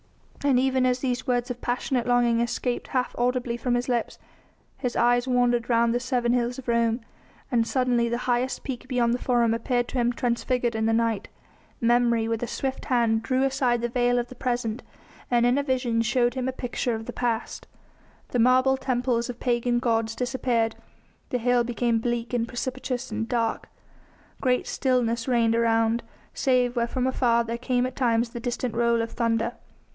And even as these words of passionate longing escaped half audibly from his lips his eyes wandered round the seven hills of Rome, and suddenly the highest peak beyond the Forum appeared to him transfigured in the night. Memory with a swift hand drew aside the veil of the present and in a vision showed him a picture of the past. The marble temples of pagan gods disappeared, the hill became bleak and precipitous and dark; great stillness reigned around, save where from afar there came at times the distant roll of thunder.